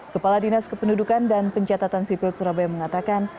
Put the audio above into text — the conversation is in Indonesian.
kepala dinas kependudukan dan pencatatan sipil surabaya mengatakan